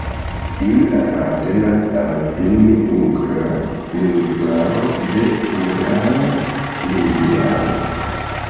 Ili apartenas al Finn-ugra lingvaro de Urala lingvaro.